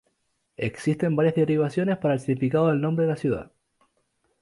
Existen varias derivaciones para el significado del nombre de la ciudad.